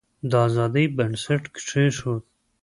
د آزادی بنسټ کښېښود.